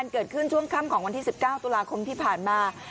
เกิดขึ้นช่วงค่ำของวันที่๑๙ตุลาคมที่ผ่านมา